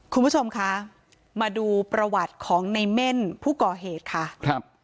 คุณผู้ชมคะมาดูประวัติของในเม่นผู้ก่อเหตุค่ะครับ